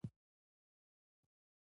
واوره د افغانستان د صادراتو برخه ده.